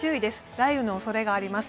雷雨のおそれがあります。